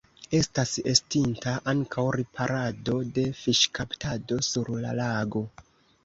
Estas estinta ankaŭ riparado de fiŝkaptado sur la lago.